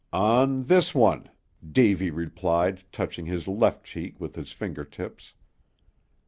"On this one," Davy replied, touching his left cheek with his finger tips.